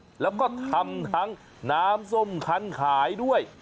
แล้วก็ทำทั้งน้ำส้มคันขายด้วย